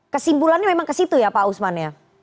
kesimpulannya memang kesitu ya pak usman ya